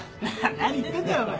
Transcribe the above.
何言ってんだよお前。